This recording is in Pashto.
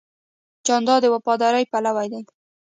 جانداد د وفادارۍ پلوی دی.